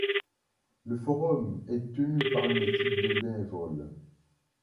Le forum est tenu par une équipe de bénévoles.